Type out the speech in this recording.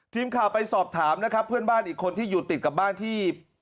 ทีมข่าวไปสอบถามนะครับเพื่อนบ้านอีกคนที่อยู่ติดกับบ้านที่